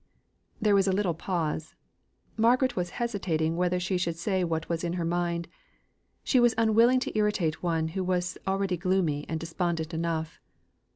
There was a little pause. Margaret was hesitating whether she should say what was in her mind; she was unwilling to irritate one who was always gloomy and despondent enough.